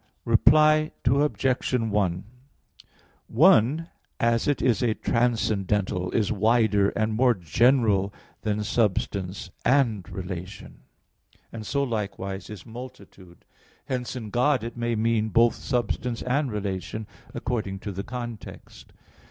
Reply Obj. 1: One, as it is a transcendental, is wider and more general than substance and relation. And so likewise is multitude; hence in God it may mean both substance and relation, according to the context.